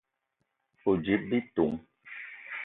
O: djip bitong.